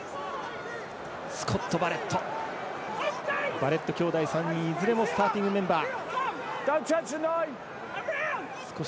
バレット兄弟３人いずれもスターティングメンバー。